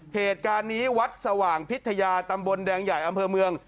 เหตุการณ์นี้วัดสว่างพิทยาตำบลแดงใหญ่อำเภอเมือง